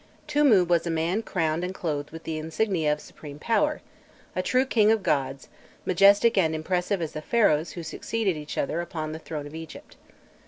Tûmû was a man crowned and clothed with the insignia of supreme power, a true king of gods, majestic and impassive as the Pharaohs who succeeded each other upon the throne of Egypt.